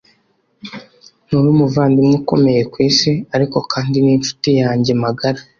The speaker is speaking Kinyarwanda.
nturi umuvandimwe ukomeye kwisi, ariko kandi ninshuti yanjye magara